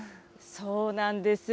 そうなんですよ。